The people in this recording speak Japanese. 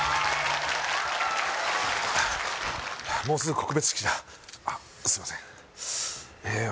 もうすぐ告別式だあっすいませんえ